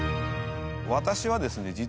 私はですね